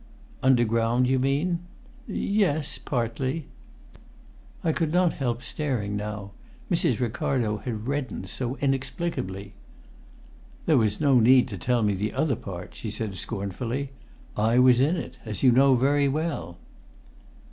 "Underground, you mean?" "Yes partly." I could not help staring now. Mrs. Ricardo had reddened so inexplicably. "There was no need to tell me the other part!" she said, scornfully. "I was in it as you know very well!"